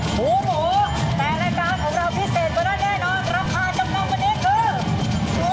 หูหมูแต่รายการของเราพิเศษกว่านั้นแน่นอน